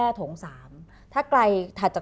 อเรนนี่แหละอเรนนี่แหละ